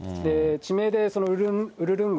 地名でウルルン